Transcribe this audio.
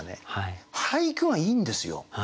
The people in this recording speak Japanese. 俳句がいいんですよ。